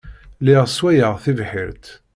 Lliɣ sswayeɣ tibḥirt.